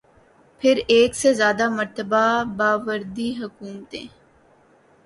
پھر ایک سے زیادہ مرتبہ باوردی حکومتیں۔